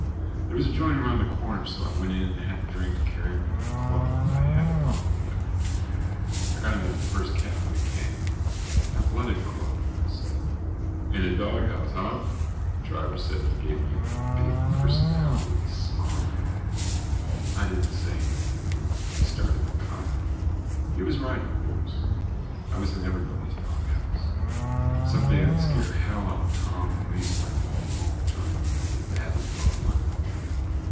There was a joint around the corner, so I went in and had a drink to carry me to the club; I had a bottle there. I got into the first cab that came. "Athletic Club," I said. "Inna dawghouse, harh?" the driver said, and he gave me a big personality smile. I didn't say anything and he started the car. He was right, of course. I was in everybody's doghouse. Some day I'd scare hell out of Tom and Lise by going home and showing them what their daddy looked like.